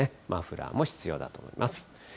マフラーも必要だと思います。